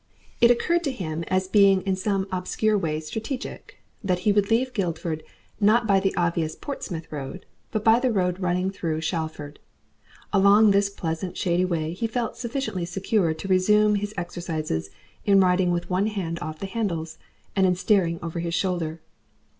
It occurred to him as being in some obscure way strategic, that he would leave Guildford not by the obvious Portsmouth road, but by the road running through Shalford. Along this pleasant shady way he felt sufficiently secure to resume his exercises in riding with one hand off the handles, and in staring over his shoulder.